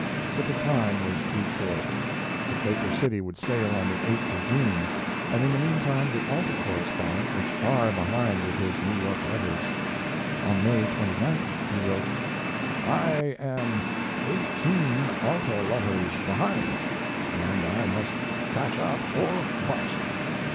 But the time was too short; the Quaker City would sail on the 8th of June, and in the mean time the Alta correspondent was far behind with his New York letters. On May 29th he wrote: I am 18 Alta letters behind, and I must catch up or bust.